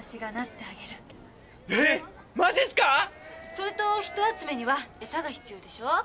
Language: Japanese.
それと人集めにはエサが必要でしょ？